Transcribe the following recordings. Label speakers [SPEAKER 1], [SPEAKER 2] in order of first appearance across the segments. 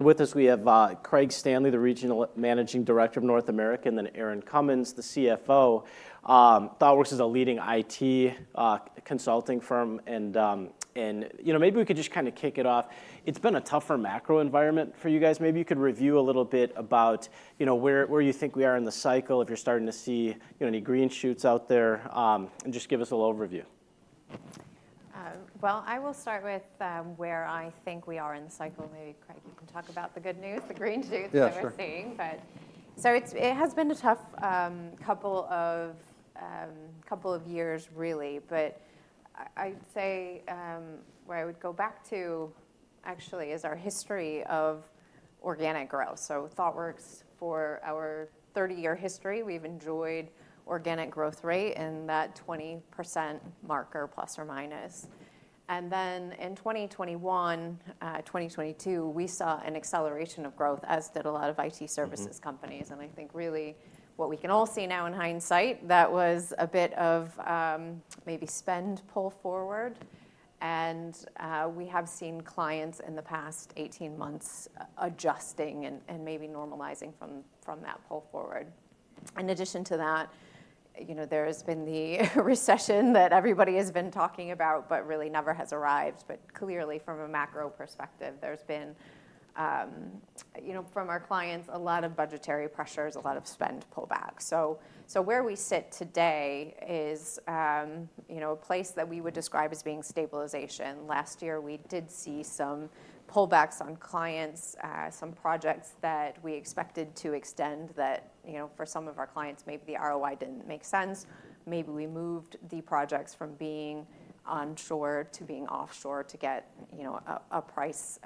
[SPEAKER 1] With us, we have Craig Stanley, the Regional Managing Director of North America, and then Erin Cummins, the CFO. Thoughtworks is a leading IT consulting firm and, you know, maybe we could just kind of kick it off. It's been a tougher macro environment for you guys. Maybe you could review a little bit about, you know, where, where you think we are in the cycle, if you're starting to see, you know, any green shoots out there, and just give us a little overview.
[SPEAKER 2] Well, I will start with where I think we are in the cycle. Maybe, Craig, you can talk about the good news, the green shoots-
[SPEAKER 3] Yeah, sure.
[SPEAKER 2] -that we're seeing. But it has been a tough couple of years, really. But I'd say where I would go back to, actually, is our history of organic growth. So Thoughtworks, for our 30-year history, we've enjoyed organic growth rate in that 20% mark, plus or minus. And then in 2021, 2022, we saw an acceleration of growth, as did a lot of IT services companies. I think really what we can all see now in hindsight, that was a bit of maybe spend pull forward. We have seen clients in the past 18 months adjusting and maybe normalizing from that pull forward. In addition to that, you know, there has been the recession that everybody has been talking about, but really never has arrived. But clearly, from a macro perspective, there's been you know, from our clients, a lot of budgetary pressures, a lot of spend pullbacks. So where we sit today is you know, a place that we would describe as being stabilization. Last year, we did see some pullbacks on clients, some projects that we expected to extend that you know, for some of our clients, maybe the ROI didn't make sense. Maybe we moved the projects from being onshore to being offshore to get, you know, a price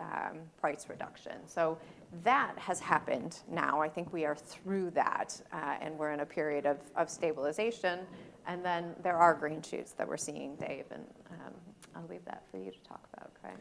[SPEAKER 2] reduction. So that has happened now. I think we are through that, and we're in a period of stabilization, and then there are green shoots that we're seeing, Dave, and I'll leave that for you to talk about, Craig.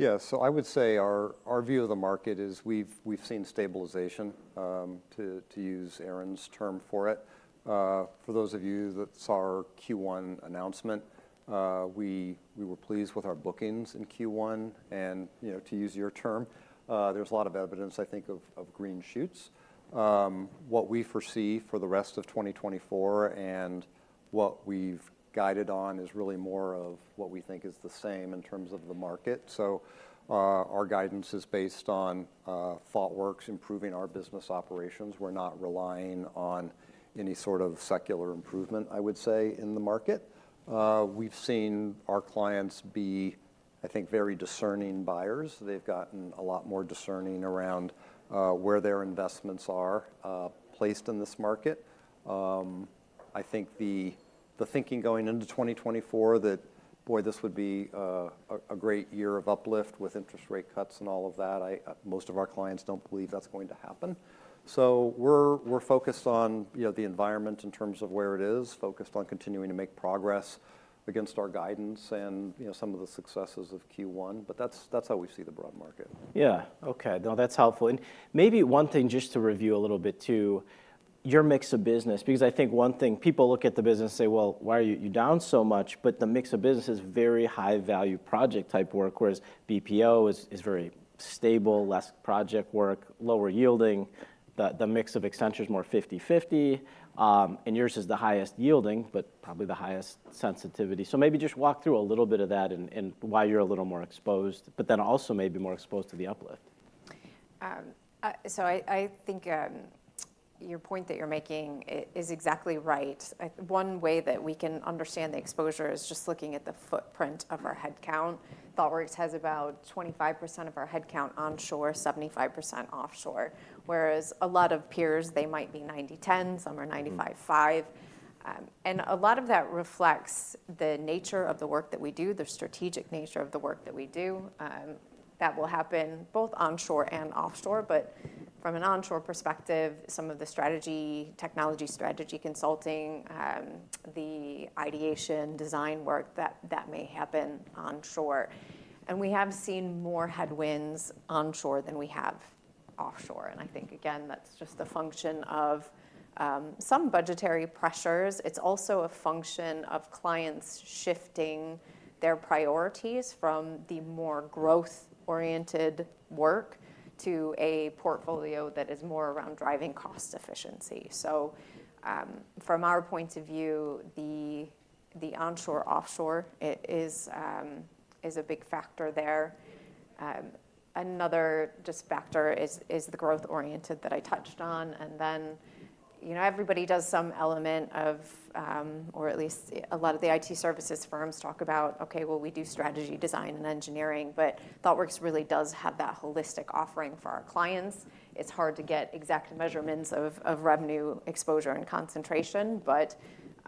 [SPEAKER 3] Yeah. So I would say our view of the market is we've seen stabilization, to use Erin's term for it. For those of you that saw our Q1 announcement, we were pleased with our bookings in Q1, and, you know, to use your term, there's a lot of evidence, I think, of green shoots. What we foresee for the rest of 2024 and what we've guided on is really more of what we think is the same in terms of the market. So, our guidance is based on Thoughtworks improving our business operations. We're not relying on any sort of secular improvement, I would say, in the market. We've seen our clients be, I think, very discerning buyers. They've gotten a lot more discerning around where their investments are placed in this market. I think the thinking going into 2024, that boy, this would be a great year of uplift with interest rate cuts and all of that. Most of our clients don't believe that's going to happen. So we're focused on, you know, the environment in terms of where it is, focused on continuing to make progress against our guidance and, you know, some of the successes of Q1, but that's how we see the broad market.
[SPEAKER 1] Yeah. Okay. No, that's helpful. And maybe one thing, just to review a little bit too, your mix of business, because I think one thing. People look at the business and say: "Well, why are you, you down so much?" But the mix of business is very high-value project type work, whereas BPO is very stable, less project work, lower yielding. The mix of Accenture is more 50/50, and yours is the highest yielding, but probably the highest sensitivity. So maybe just walk through a little bit of that and why you're a little more exposed, but then also maybe more exposed to the uplift.
[SPEAKER 2] So I think your point that you're making is exactly right. One way that we can understand the exposure is just looking at the footprint of our headcount. Thoughtworks has about 25% of our headcount onshore, 75% offshore, whereas a lot of peers, they might be 90/10, some are 95/5. And a lot of that reflects the nature of the work that we do, the strategic nature of the work that we do. That will happen both onshore and offshore, but from an onshore perspective, some of the strategy, technology strategy consulting, the ideation, design work, that, that may happen onshore. And we have seen more headwinds onshore than we have offshore, and I think, again, that's just a function of some budgetary pressures. It's also a function of clients shifting their priorities from the more growth-oriented work to a portfolio that is more around driving cost efficiency. So, from our point of view, the, the onshore-offshore, it is, is a big factor there. Another just factor is, is the growth-oriented that I touched on, and then, you know, everybody does some element of... Or at least a lot of the IT services firms talk about, "Okay, well, we do strategy, design, and engineering," but Thoughtworks really does have that holistic offering for our clients. It's hard to get exact measurements of, of revenue exposure and concentration, but,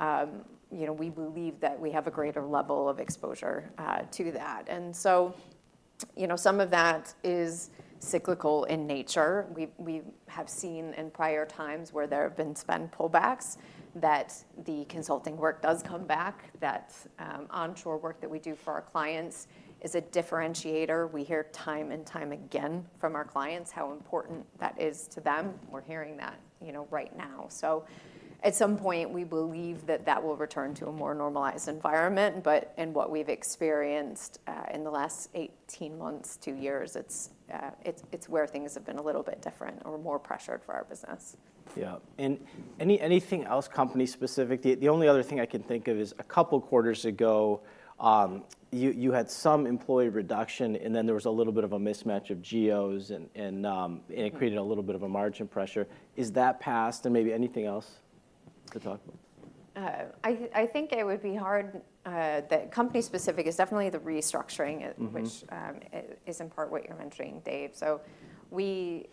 [SPEAKER 2] you know, we believe that we have a greater level of exposure, to that. And so, you know, some of that is cyclical in nature. We've, we have seen in prior times where there have been spend pullbacks, that the consulting work does come back, that, onshore work that we do for our clients is a differentiator. We hear time and time again from our clients how important that is to them. We're hearing that, you know, right now. So at some point, we believe that that will return to a more normalized environment, but in what we've experienced in the last 18 months, 2 years, it's where things have been a little bit different or more pressured for our business.
[SPEAKER 1] Yeah. And anything else company-specific? The only other thing I can think of is a couple quarters ago, you had some employee reduction, and then there was a little bit of a mismatch of geos, and it created a little bit of a margin pressure. Is that passed and maybe anything else to talk about?
[SPEAKER 2] I think it would be hard, the company specific is definitely the restructuring which is in part what you're mentioning, Dave. So we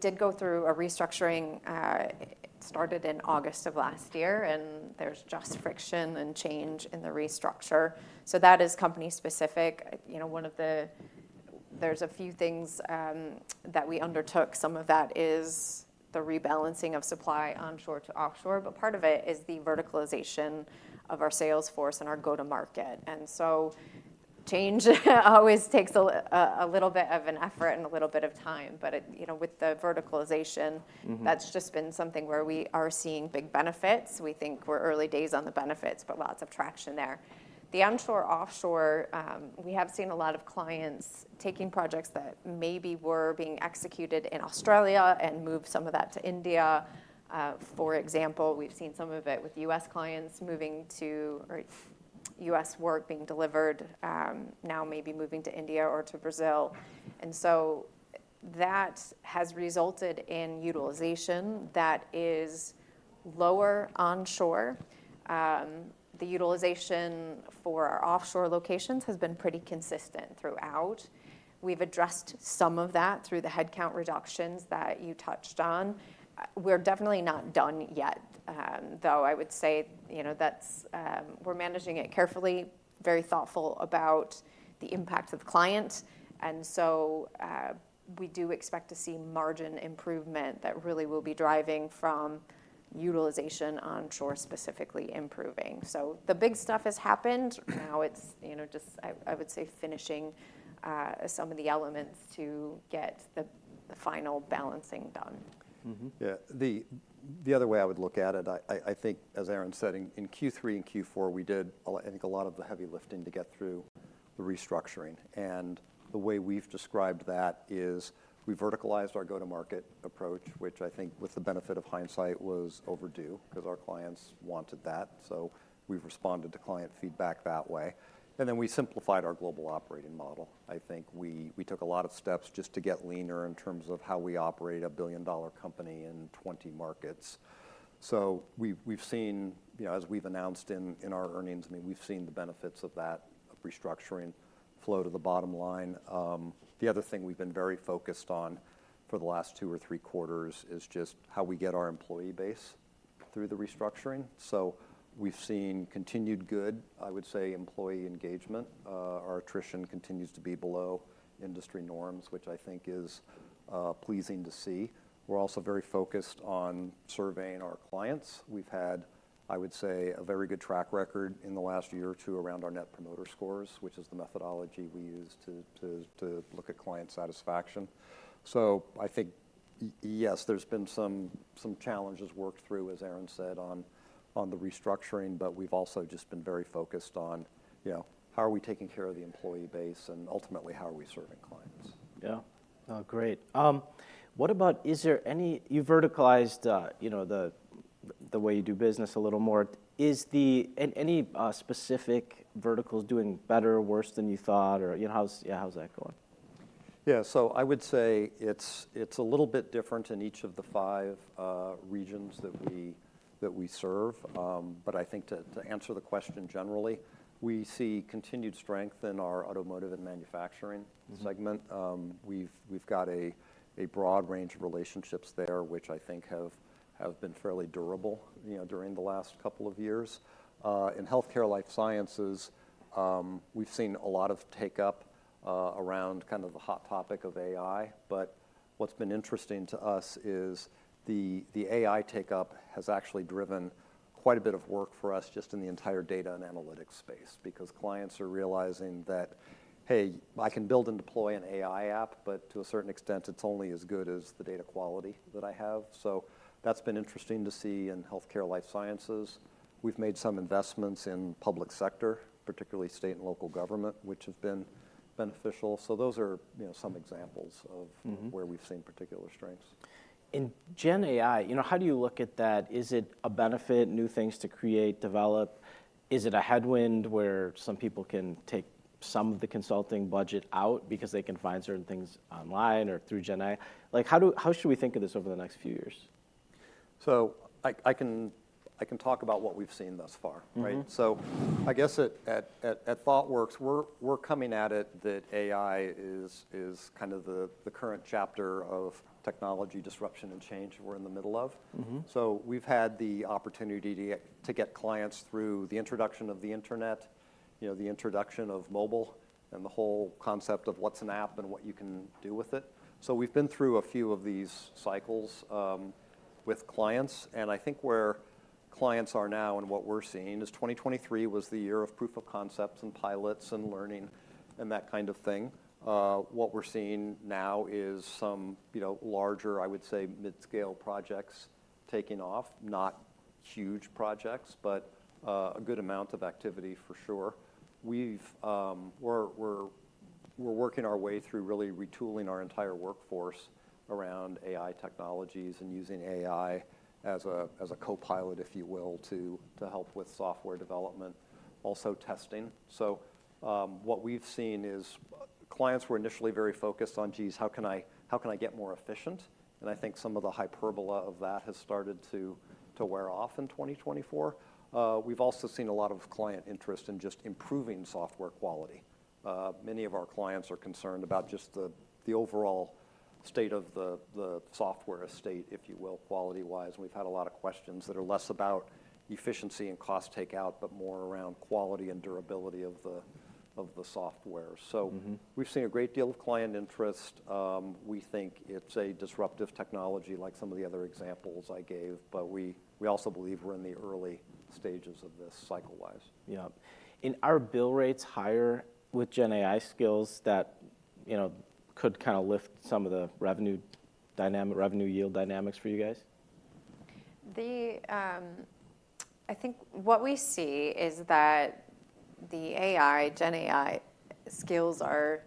[SPEAKER 2] did go through a restructuring, it started in August of last year, and there's just friction and change in the restructure. So that is company specific. You know, one of the... There's a few things that we undertook. Some of that is the rebalancing of supply onshore to offshore, but part of it is the verticalization of our sales force and our go-to-market. And so change always takes a little bit of an effort and a little bit of time, but it, you know, with the verticalization that's just been something where we are seeing big benefits. We think we're early days on the benefits, but lots of traction there. The onshore-offshore, we have seen a lot of clients taking projects that maybe were being executed in Australia and move some of that to India. For example, we've seen some of it with U.S. clients moving to, or U.S. work being delivered, now maybe moving to India or to Brazil. And so that has resulted in utilization that is lower onshore. The utilization for our offshore locations has been pretty consistent throughout. We've addressed some of that through the headcount reductions that you touched on. We're definitely not done yet, though I would say, you know, that's, We're managing it carefully, very thoughtful about the impact of the client, and so, we do expect to see margin improvement that really will be driving from utilization onshore, specifically improving. So the big stuff has happened. Now it's, you know, just I, I would say, finishing, some of the elements to get the, the final balancing done.
[SPEAKER 1] Mm-hmm.
[SPEAKER 3] Yeah. The other way I would look at it, I think as Erin said, in Q3 and Q4, we did a lot of the heavy lifting to get through the restructuring, and the way we've described that is we verticalized our go-to-market approach, which I think with the benefit of hindsight, was overdue 'cause our clients wanted that. So we've responded to client feedback that way. And then we simplified our global operating model. I think we took a lot of steps just to get leaner in terms of how we operate a billion-dollar company in 20 markets. So we've seen, you know, as we've announced in our earnings, I mean, we've seen the benefits of that, of restructuring flow to the bottom line. The other thing we've been very focused on for the last two or three quarters is just how we get our employee base through the restructuring. So we've seen continued good, I would say, employee engagement. Our attrition continues to be below industry norms, which I think is pleasing to see. We're also very focused on surveying our clients. We've had, I would say, a very good track record in the last year or two around our Net Promoter Scores, which is the methodology we use to look at client satisfaction. So I think, yes, there's been some challenges worked through, as Erin said, on the restructuring, but we've also just been very focused on, you know, how are we taking care of the employee base and ultimately, how are we serving clients?
[SPEAKER 1] Yeah. Oh, great. What about... Is there any-- You verticalized, you know, the way you do business a little more. Is the... And any specific verticals doing better or worse than you thought? Or, you know, how's, yeah, how's that going?
[SPEAKER 3] Yeah, so I would say it's a little bit different in each of the five regions that we serve. But I think to answer the question generally, we see continued strength in our automotive and manufacturing segment. We've got a broad range of relationships there, which I think have been fairly durable, you know, during the last couple of years. In healthcare life sciences, we've seen a lot of take-up around kind of the hot topic of AI. But what's been interesting to us is the AI take-up has actually driven quite a bit of work for us just in the entire data and analytics space, because clients are realizing that, hey, I can build and deploy an AI app, but to a certain extent, it's only as good as the data quality that I have. So that's been interesting to see in healthcare life sciences. We've made some investments in public sector, particularly state and local government, which have been beneficial. So those are, you know, some examples of where we've seen particular strengths.
[SPEAKER 1] In GenAI, you know, how do you look at that? Is it a benefit, new things to create, develop? Is it a headwind where some people can take some of the consulting budget out because they can find certain things online or through GenAI? Like, how should we think of this over the next few years?
[SPEAKER 3] I can talk about what we've seen thus far, right?
[SPEAKER 1] Mm-hmm.
[SPEAKER 3] So I guess at Thoughtworks, we're coming at it that AI is kind of the current chapter of technology disruption and change we're in the middle of.
[SPEAKER 1] Mm-hmm.
[SPEAKER 3] So we've had the opportunity to get clients through the introduction of the Internet—you know, the introduction of mobile and the whole concept of what's an app and what you can do with it. So we've been through a few of these cycles with clients, and I think where clients are now and what we're seeing is 2023 was the year of proof of concepts and pilots and learning, and that kind of thing. What we're seeing now is some, you know, larger, I would say, mid-scale projects taking off, not huge projects, but a good amount of activity for sure. We're working our way through really retooling our entire workforce around AI technologies and using AI as a co-pilot, if you will, to help with software development, also testing. So, what we've seen is clients were initially very focused on, geez, how can I get more efficient? And I think some of the hyperbole of that has started to wear off in 2024. We've also seen a lot of client interest in just improving software quality. Many of our clients are concerned about just the overall state of the software estate, if you will, quality-wise, and we've had a lot of questions that are less about efficiency and cost takeout, but more around quality and durability of the software.
[SPEAKER 1] Mm-hmm.
[SPEAKER 3] So we've seen a great deal of client interest. We think it's a disruptive technology, like some of the other examples I gave, but we also believe we're in the early stages of this cycle-wise.
[SPEAKER 1] Yeah. Are bill rates higher with GenAI skills that, you know, could kinda lift some of the revenue dynamic, revenue yield dynamics for you guys?
[SPEAKER 2] I think what we see is that the AI, GenAI skills are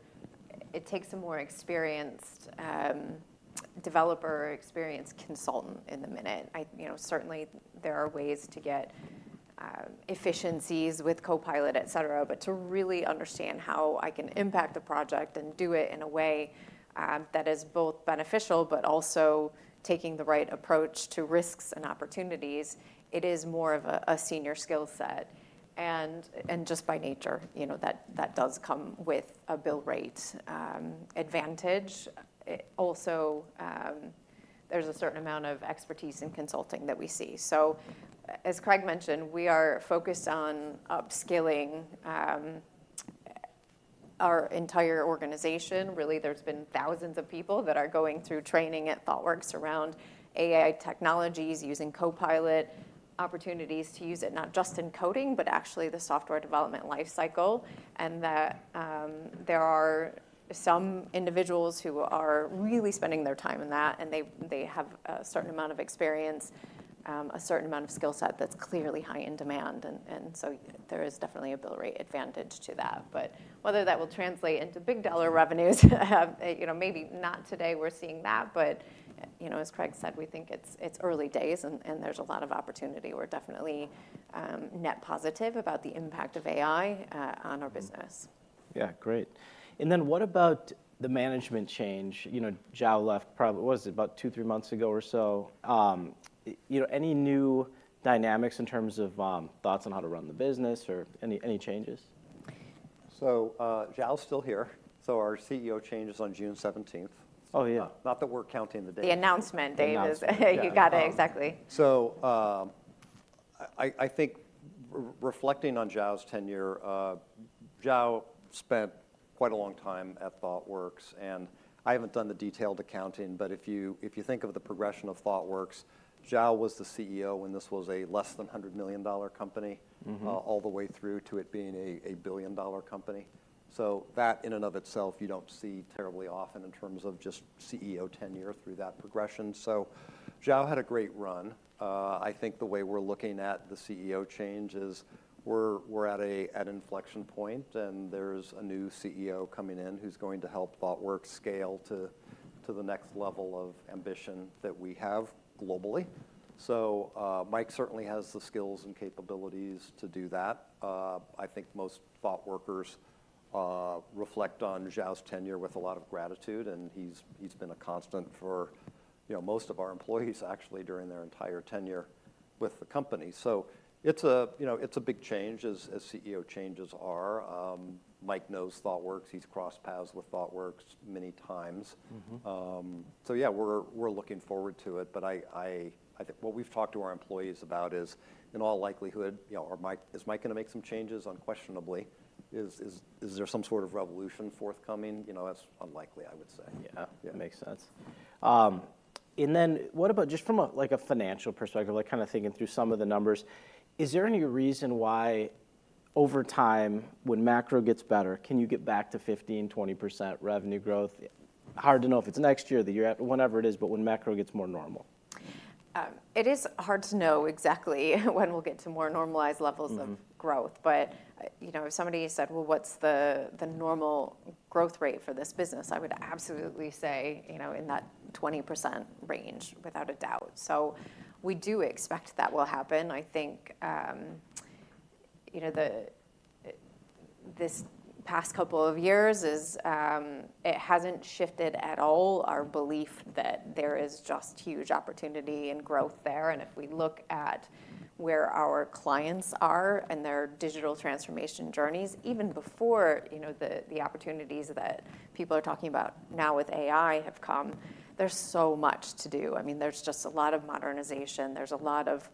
[SPEAKER 2] it takes a more experienced developer or experienced consultant in the minute. I, you know, certainly there are ways to get efficiencies with Copilot, et cetera, but to really understand how I can impact the project and do it in a way that is both beneficial, but also taking the right approach to risks and opportunities, it is more of a senior skill set. And just by nature, you know, that does come with a bill rate advantage. It also, there's a certain amount of expertise in consulting that we see. So as Craig mentioned, we are focused on upskilling our entire organization. Really, there's been thousands of people that are going through training at Thoughtworks around AI technologies, using Copilot, opportunities to use it, not just in coding, but actually the software development life cycle, and that, there are some individuals who are really spending their time in that, and they, they have a certain amount of experience, a certain amount of skill set that's clearly high in demand, and, and so there is definitely a bill rate advantage to that. But whether that will translate into big dollar revenues, you know, maybe not today we're seeing that, but, you know, as Craig said, we think it's, it's early days and, and there's a lot of opportunity. We're definitely, net positive about the impact of AI, on our business.
[SPEAKER 1] Mm-hmm. Yeah, great. And then what about the management change? You know, Xiao left—what was it? About two, three months ago or so. You know, any new dynamics in terms of, thoughts on how to run the business or any, any changes?
[SPEAKER 3] Guo Xiao's still here, so our CEO change is on June 17th.
[SPEAKER 1] Oh, yeah.
[SPEAKER 3] Not that we're counting the days.
[SPEAKER 2] The announcement date is-
[SPEAKER 3] The announcement, yeah.
[SPEAKER 2] You got it, exactly.
[SPEAKER 3] I think reflecting on Xiao's tenure, Xiao spent quite a long time at Thoughtworks, and I haven't done the detailed accounting, but if you think of the progression of Thoughtworks, Xiao was the CEO when this was a less than $100 million company.
[SPEAKER 1] Mm-hmm
[SPEAKER 3] All the way through to it being a billion-dollar company. So that, in and of itself, you don't see terribly often in terms of just CEO tenure through that progression. So Xiao had a great run. I think the way we're looking at the CEO change is we're at an inflection point, and there's a new CEO coming in who's going to help Thoughtworks scale to the next level of ambition that we have globally. So, Mike certainly has the skills and capabilities to do that. I think most Thoughtworkers reflect on Xiao's tenure with a lot of gratitude, and he's been a constant for, you know, most of our employees, actually, during their entire tenure with the company. So it's a, you know, it's a big change, as CEO changes are. Mike knows Thoughtworks. He's crossed paths with Thoughtworks many times.
[SPEAKER 1] Mm-hmm.
[SPEAKER 3] So yeah, we're looking forward to it, but I think what we've talked to our employees about is, in all likelihood, you know, is Mike gonna make some changes? Unquestionably. Is there some sort of revolution forthcoming? You know, that's unlikely, I would say.
[SPEAKER 1] Yeah.
[SPEAKER 3] Yeah.
[SPEAKER 1] Makes sense. And then what about just from a, like, a financial perspective, like, kinda thinking through some of the numbers, is there any reason why, over time, when macro gets better, can you get back to 15%-20% revenue growth? Hard to know if it's next year, the year after, whenever it is, but when macro gets more normal.
[SPEAKER 2] It is hard to know exactly when we'll get to more normalized levels-
[SPEAKER 1] Mm-hmm...
[SPEAKER 2] of growth, but, you know, if somebody said, "Well, what's the normal growth rate for this business?" I would absolutely say, you know, in that 20% range, without a doubt. So we do expect that will happen. I think, you know, this past couple of years, it hasn't shifted at all our belief that there is just huge opportunity and growth there, and if we look at where our clients are in their digital transformation journeys, even before, you know, the opportunities that people are talking about now with AI have come, there's so much to do. I mean, there's just a lot of modernization, there's a lot of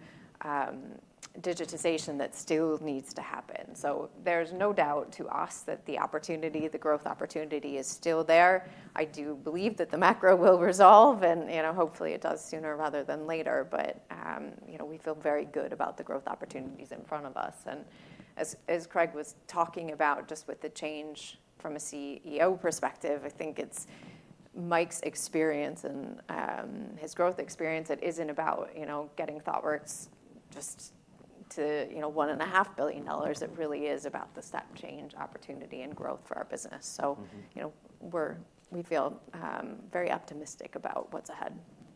[SPEAKER 2] digitization that still needs to happen. So there's no doubt to us that the opportunity, the growth opportunity is still there. I do believe that the macro will resolve, and, you know, hopefully it does sooner rather than later. But, you know, we feel very good about the growth opportunities in front of us, and as, as Craig was talking about, just with the change from a CEO perspective, I think it's Mike's experience and, his growth experience. It isn't about, you know, getting Thoughtworks just to, you know, $1.5 billion. It really is about the step change, opportunity, and growth for our business.
[SPEAKER 1] Mm-hmm.
[SPEAKER 2] You know, we feel very optimistic about what's ahead.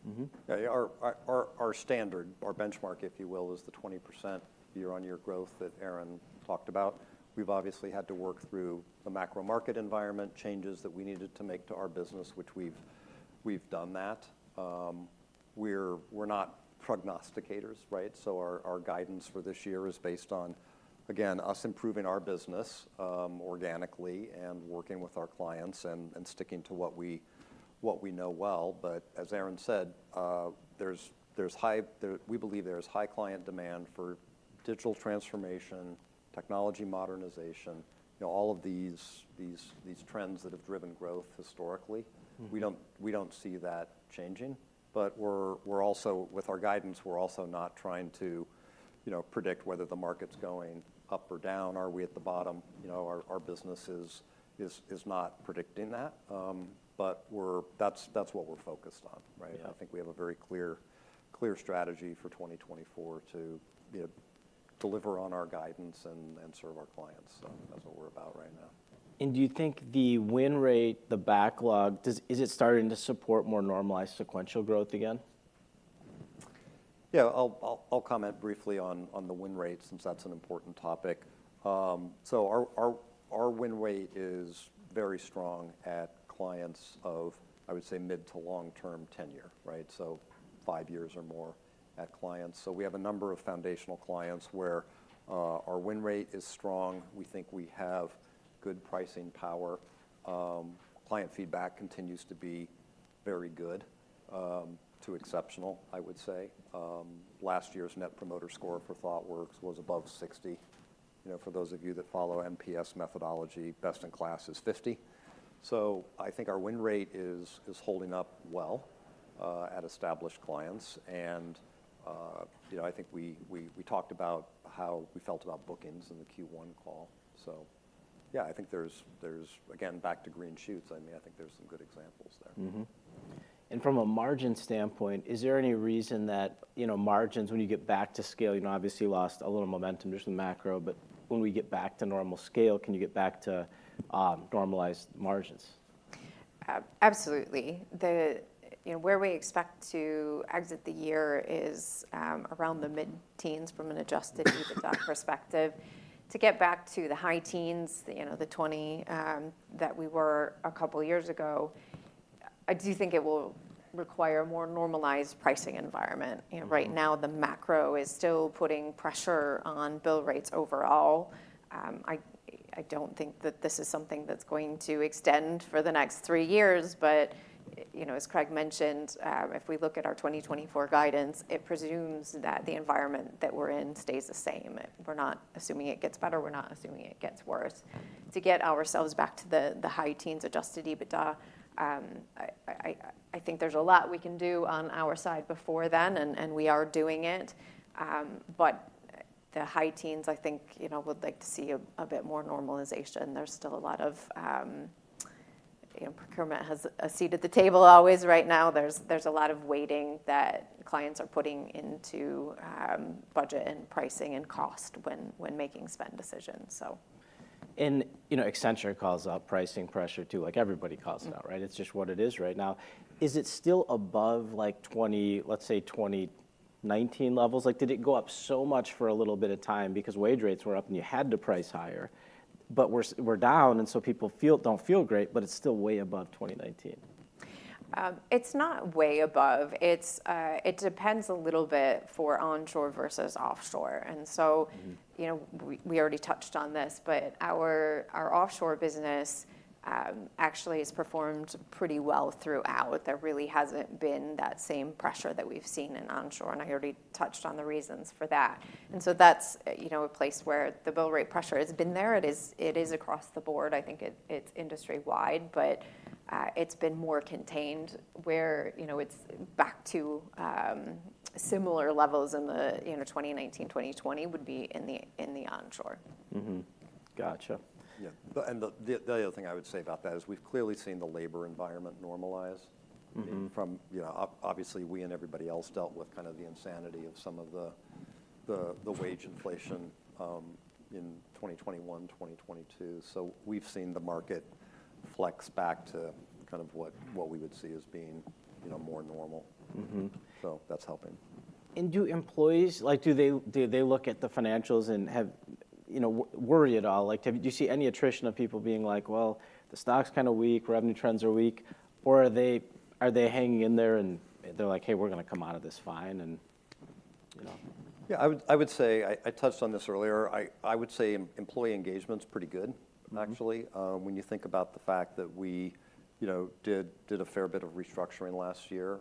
[SPEAKER 1] Mm-hmm.
[SPEAKER 3] Yeah, our standard, our benchmark, if you will, is the 20% year-on-year growth that Erin talked about. We've obviously had to work through the macro market environment, changes that we needed to make to our business, which we've done that. We're not prognosticators, right? So our guidance for this year is based on, again, us improving our business organically, and working with our clients, and sticking to what we know well. But as Erin said, we believe there is high client demand for digital transformation, technology modernization, you know, all of these trends that have driven growth historically.
[SPEAKER 1] Mm-hmm.
[SPEAKER 3] We don't, we don't see that changing, but we're, we're also... With our guidance, we're also not trying to, you know, predict whether the market's going up or down. Are we at the bottom? You know, our, our business is, is, is not predicting that. But we're... That's, that's what we're focused on, right?
[SPEAKER 1] Yeah.
[SPEAKER 3] I think we have a very clear, clear strategy for 2024 to, you know, deliver on our guidance and, and serve our clients. So that's what we're about right now.
[SPEAKER 1] Do you think the win rate, the backlog, is it starting to support more normalized sequential growth again?
[SPEAKER 3] Yeah, I'll comment briefly on the win rate, since that's an important topic. So our win rate is very strong at clients of, I would say, mid- to long-term tenure, right? So five years or more at clients. So we have a number of foundational clients where our win rate is strong. We think we have good pricing power. Client feedback continues to be very good to exceptional, I would say. Last year's Net Promoter Score for Thoughtworks was above 60. You know, for those of you that follow NPS methodology, best in class is 50. So I think our win rate is holding up well at established clients, and you know, I think we talked about how we felt about bookings in the Q1 call. So yeah, I think there's... Again, back to green shoots, I mean, I think there's some good examples there.
[SPEAKER 1] Mm-hmm. And from a margin standpoint, is there any reason that, you know, margins, when you get back to scale, you know, obviously you lost a little momentum, there's some macro, but when we get back to normal scale, can you get back to normalized margins?
[SPEAKER 2] Absolutely. You know, where we expect to exit the year is around the mid-teens from an Adjusted EBITDA perspective. To get back to the high teens, you know, the 20 that we were a couple of years ago, I do think it will require a more normalized pricing environment.
[SPEAKER 1] Mm-hmm.
[SPEAKER 2] You know, right now, the macro is still putting pressure on bill rates overall. I don't think that this is something that's going to extend for the next three years, but, you know, as Craig mentioned, if we look at our 2024 guidance, it presumes that the environment that we're in stays the same. We're not assuming it gets better. We're not assuming it gets worse. To get ourselves back to the high teens Adjusted EBITDA, I think there's a lot we can do on our side before then, and we are doing it. But the high teens, I think, you know, would like to see a bit more normalization. There's still a lot of... You know, procurement has a seat at the table always right now. There's a lot of waiting that clients are putting into budget and pricing and cost when making spend decisions, so.
[SPEAKER 1] You know, Accenture calls out pricing pressure too, like everybody calls it out, right?
[SPEAKER 2] Mm-hmm.
[SPEAKER 1] It's just what it is right now. Is it still above, like, 20... Let's say 2019 levels? Like, did it go up so much for a little bit of time because wage rates were up and you had to price higher, but we're down, and so people don't feel great, but it's still way above 2019?
[SPEAKER 2] It's not way above. It's, it depends a little bit for onshore versus offshore. And so you know, we, we already touched on this, but our, our offshore business, actually has performed pretty well throughout. There really hasn't been that same pressure that we've seen in onshore, and I already touched on the reasons for that. And so that's, you know, a place where the bill rate pressure has been there. It is, it is across the board. I think it, it's industry-wide, but, it's been more contained where, you know, it's back to, similar levels in the, you know, 2019, 2020 would be in the, in the onshore.
[SPEAKER 1] Mm-hmm. Gotcha.
[SPEAKER 3] Yeah. But the other thing I would say about that is we've clearly seen the labor environment normalize from, you know, obviously, we and everybody else dealt with kind of the insanity of some of the wage inflation in 2021, 2022. So we've seen the market flex back to kind of what we would see as being, you know, more normal.
[SPEAKER 1] Mm-hmm.
[SPEAKER 3] That's helping.
[SPEAKER 1] Do employees, like, do they, do they look at the financials and have, you know, worry at all? Like, do you see any attrition of people being like, "Well, the stock's kind of weak, revenue trends are weak" or are they, are they hanging in there, and they're like, "Hey, we're gonna come out of this fine," and-
[SPEAKER 3] Yeah, I would say employee engagement's pretty good, actually.
[SPEAKER 1] Mm-hmm.
[SPEAKER 3] When you think about the fact that we, you know, did a fair bit of restructuring last year,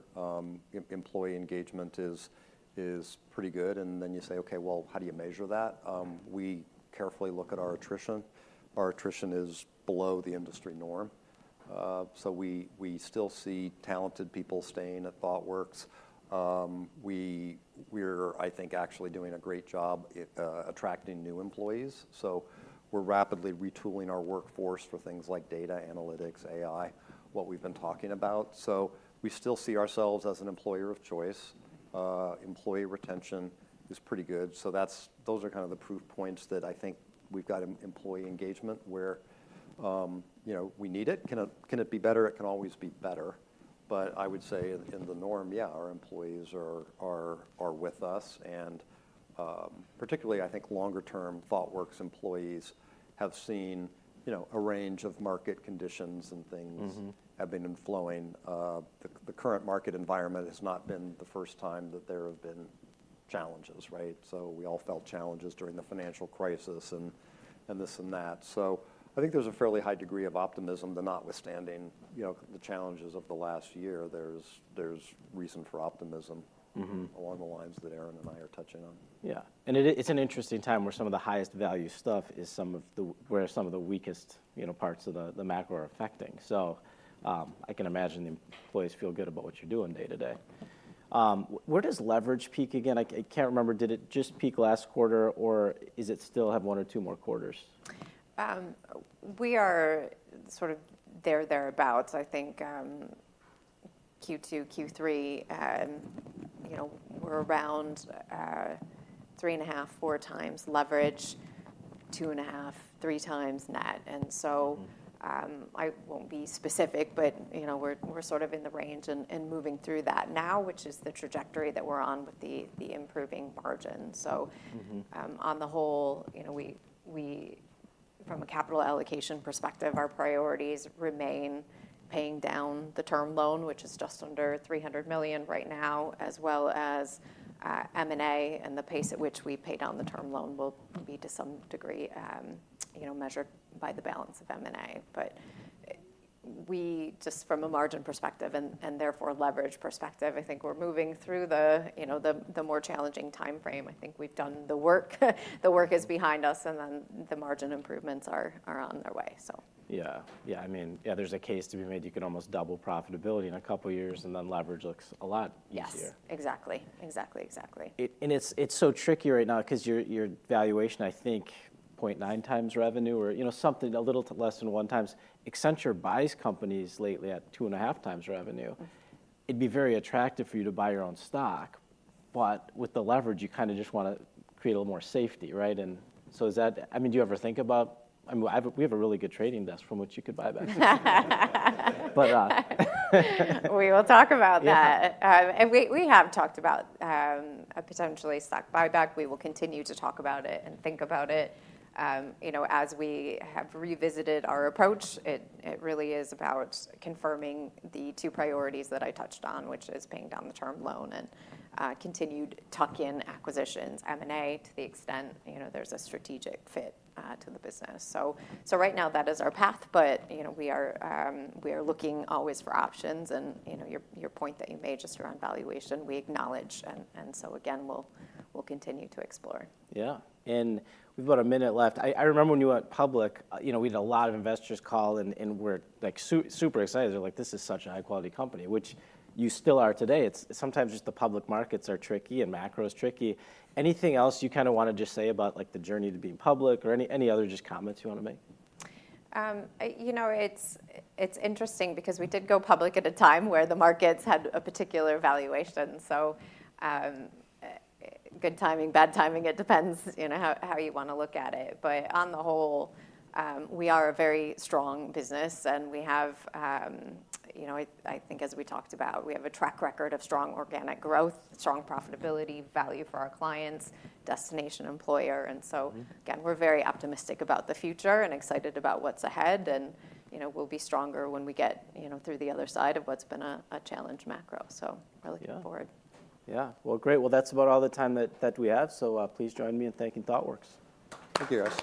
[SPEAKER 3] employee engagement is pretty good, and then you say, "Okay, well, how do you measure that?" We carefully look at our attrition. Our attrition is below the industry norm. So we still see talented people staying at Thoughtworks. We're, I think, actually doing a great job at attracting new employees. So we're rapidly retooling our workforce for things like data analytics, AI, what we've been talking about. So we still see ourselves as an employer of choice. Employee retention is pretty good, so that's... Those are kind of the proof points that I think we've got employee engagement where, you know, we need it. Can it be better? It can always be better, but I would say in the norm, yeah, our employees are with us. And particularly, I think longer term, Thoughtworks employees have seen, you know, a range of market conditions, and things have been inflowing. The current market environment has not been the first time that there have been challenges, right? So we all felt challenges during the financial crisis, and this and that. So I think there's a fairly high degree of optimism, notwithstanding, you know, the challenges of the last year; there's reason for optimism-
[SPEAKER 1] Mm-hmm...
[SPEAKER 3] along the lines that Erin and I are touching on.
[SPEAKER 1] Yeah. And it's an interesting time where some of the highest value stuff is where some of the weakest, you know, parts of the macro are affecting. So, I can imagine the employees feel good about what you're doing day to day. Where does leverage peak again? I can't remember. Did it just peak last quarter, or is it still have one or two more quarters?
[SPEAKER 2] We are sort of there, thereabouts. I think, Q2, Q3, you know, we're around, 3.5-4x leverage, 2.5-3x net. I won't be specific, but, you know, we're sort of in the range and moving through that now, which is the trajectory that we're on with the improving margin. So on the whole, you know, we from a capital allocation perspective, our priorities remain paying down the term loan, which is just under $300 million right now, as well as M&A, and the pace at which we pay down the term loan will be, to some degree, you know, measured by the balance of M&A. But we, just from a margin perspective and therefore leverage perspective, I think we're moving through the, you know, the more challenging timeframe. I think we've done the work. The work is behind us, and then the margin improvements are on their way, so.
[SPEAKER 1] Yeah. Yeah, I mean, yeah, there's a case to be made. You can almost double profitability in a couple of years, and then leverage looks a lot easier.
[SPEAKER 2] Yes, exactly. Exactly, exactly.
[SPEAKER 1] And it's so tricky right now 'cause your valuation, I think, 0.9x revenue or, you know, something a little less than 1x. Accenture buys companies lately at 2.5x revenue. It'd be very attractive for you to buy your own stock, but with the leverage, you kinda just wanna create a little more safety, right? And so is that- I mean, do you ever think about... I mean, I, we have a really good trading desk from which you could buy back? But,
[SPEAKER 2] We will talk about that.
[SPEAKER 1] Yeah.
[SPEAKER 2] And we have talked about a potentially stock buyback. We will continue to talk about it and think about it. You know, as we have revisited our approach, it really is about confirming the two priorities that I touched on, which is paying down the term loan and continued tuck-in acquisitions, M&A, to the extent, you know, there's a strategic fit to the business. So right now, that is our path, but you know, we are looking always for options. And you know, your point that you made just around valuation, we acknowledge, and so again, we'll continue to explore.
[SPEAKER 1] Yeah. And we've got a minute left. I remember when you went public, you know, we had a lot of investors call, and we're, like, super excited. They're like: This is such a high-quality company, which you still are today. It's sometimes just the public markets are tricky, and macro is tricky. Anything else you kinda wanna just say about, like, the journey to being public or any other just comments you wanna make?
[SPEAKER 2] You know, it's interesting because we did go public at a time where the markets had a particular valuation. So, good timing, bad timing, it depends, you know, how you wanna look at it. But on the whole, we are a very strong business, and we have, you know, I think as we talked about, we have a track record of strong organic growth, strong profitability, value for our clients, destination employer, and so again, we're very optimistic about the future and excited about what's ahead. And, you know, we'll be stronger when we get, you know, through the other side of what's been a challenge macro, so we're looking forward.
[SPEAKER 1] Yeah. Well, great. Well, that's about all the time that we have, so, please join me in thanking Thoughtworks.
[SPEAKER 3] Thank you, Dave.